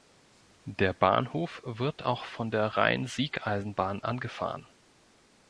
Der Bahnhof wird auch von der Rhein-Sieg-Eisenbahn angefahren.